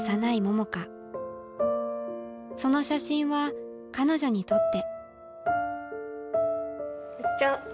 その写真は彼女にとって。